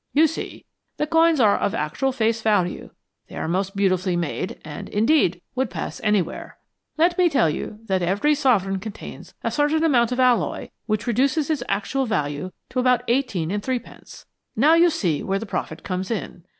You see, the coins are of actual face value, they are most beautifully made, and, indeed, would pass anywhere. Let me tell you that every sovereign contains a certain amount of alloy which reduces its actual value to about eighteen and threepence. Now you can see where the profit comes in.